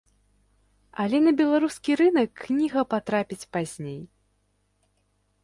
Але на беларускі рынак кніга патрапіць пазней.